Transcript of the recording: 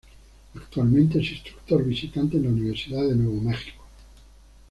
Actualmente es instructor visitante en la Universidad de New Mexico.